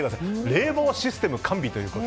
冷房システム完備と。